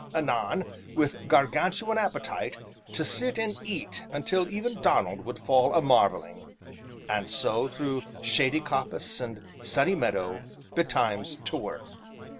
Anon, with Gargantuan appetite, to sit and eat until even Donald would fall a marvelling; and so, through shady coppice and sunny meadow, betimes to work.